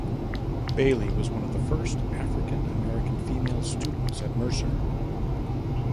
Bailey was one of the first African-American female students at Mercer.